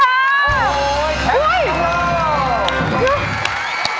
โอ้โหแชมป์ของเรา